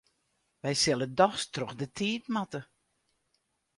Wy sille dochs troch de tiid moatte.